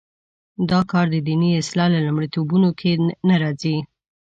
دا کار د دیني اصلاح په لومړیتوبونو کې نه راځي.